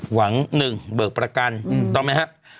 หวัง๑เบิกประกันต้องไหมครับ